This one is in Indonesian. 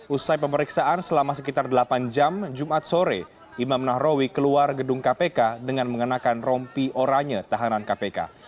usai pemeriksaan selama sekitar delapan jam jumat sore imam nahrawi keluar gedung kpk dengan mengenakan rompi oranya tahanan kpk